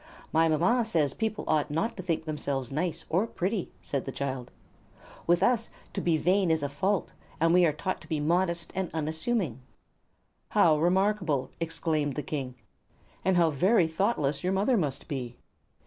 "My mama says people ought not to think themselves nice, or pretty," said the child. "With us, to be vain is a fault, and we are taught to be modest and unassuming." "How remarkable!" exclaimed the King. "And how very thoughtless your mother must be.